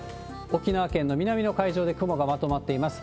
沖縄県の南の海上で雲がまとまっています。